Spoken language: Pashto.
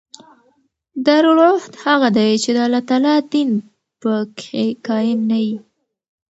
دارالعهد هغه دئ، چي د الله تعالی دین په کښي قایم نه يي.